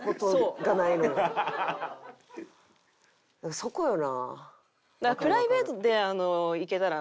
そこよな。